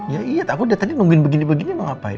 ya iya aku datangnya nungguin begini begini mau ngapain